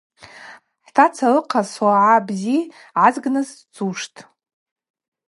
Хӏтаца лыхъаз согӏа бзи гӏазгныс сцуштӏ.